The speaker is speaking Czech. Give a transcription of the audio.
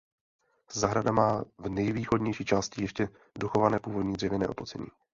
Zahrada má v nejvýchodnější části ještě dochované původní dřevěné oplocení.